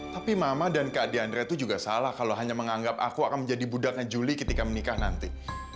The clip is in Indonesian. tapi mama dan kak di andrea itu juga salah kalau hanya menganggap aku akan menjadi budaknya juli ketika menikah nanti